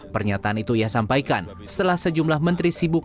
pernyataan itu ia sampaikan setelah sejumlah menteri sibuk